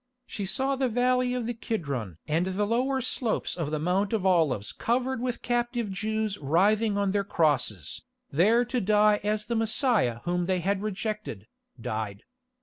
She saw the Valley of the Kidron and the lower slopes of the Mount of Olives covered with captive Jews writhing on their crosses, there to die as the Messiah whom they had rejected, died.